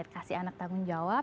kasih anak tanggung jawab